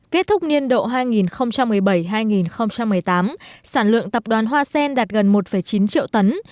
kết thúc niên độ hai nghìn một mươi bảy hai nghìn một mươi tám sản lượng tập đoàn hoa sen đạt gần một chín triệu tấn